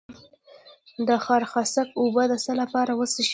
د خارخاسک اوبه د څه لپاره وڅښم؟